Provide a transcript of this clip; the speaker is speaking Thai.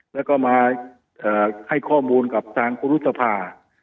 แล้วก็มาให้ข้อมูลกับทางครูรุษภา